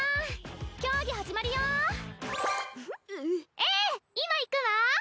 ええ今行くわ。